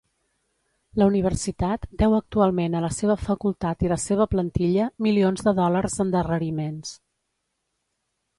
La universitat deu actualment a la seva facultat i la seva plantilla milions de dòlars d"endarreriments.